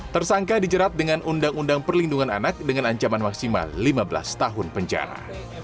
tersangka dijerat dengan undang undang perlindungan anak dengan ancaman maksimal lima belas tahun penjara